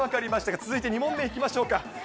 続いて２問目、いきましょうか。